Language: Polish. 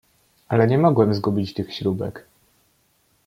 "Ale nie mogłem zgubić tych śrubek."